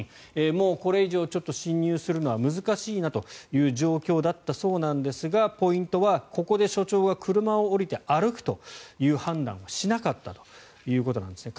もうこれ以上進入するのは難しいなという状況だったそうですがポイントはここで署長が車を降りて歩くという判断をしなかったということなんですね。